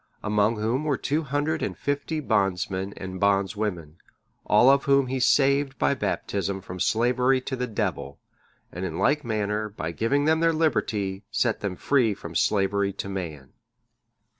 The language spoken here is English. Among whom were two hundred and fifty bondsmen and bondswomen, all of whom he saved by Baptism from slavery to the Devil, and in like manner, by giving them their liberty, set them free from slavery to man.